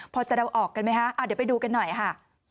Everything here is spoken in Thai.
พอจะเดาออกกันไหมคะเดี๋ยวไปดูกันหน่อยค่ะ